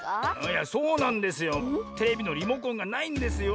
いやそうなんですよテレビのリモコンがないんですよ。